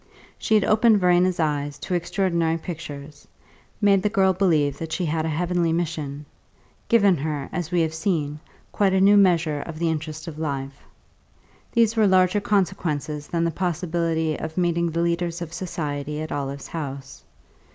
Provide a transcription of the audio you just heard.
She had opened Verena's eyes to extraordinary pictures, made the girl believe that she had a heavenly mission, given her, as we have seen, quite a new measure of the interest of life. These were larger consequences than the possibility of meeting the leaders of society at Olive's house.